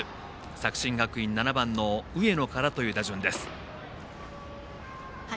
作新学院、７番の上野からという打順です。